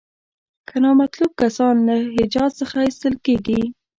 که نامطلوب کسان له حجاز څخه ایستل کیږي.